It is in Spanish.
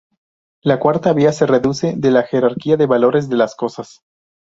La Cuarta Vía se deduce de la jerarquía de valores de las cosas.